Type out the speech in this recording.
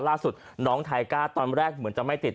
ล่าสุดน้องไทก้าตอนแรกเหมือนจะไม่ติด